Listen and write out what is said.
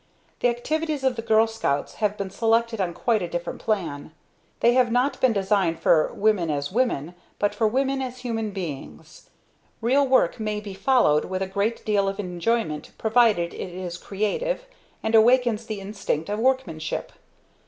The activities of the Girl Scouts have been selected on quite a different plan. They have not been designed for women as women, but for women as human beings. Real work may be followed with a great deal of enjoyment provided it is creative and awakens the instinct of workmanship.